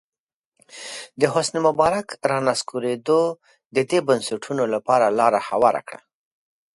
د حسن مبارک رانسکورېدو د دې بنسټونو لپاره لاره هواره کړه.